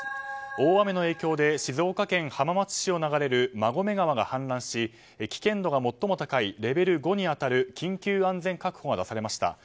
大雨の影響で静岡県浜松市を流れる馬込川が氾濫し危険度が最も高いレベル５に当たる緊急安全確保が出されました。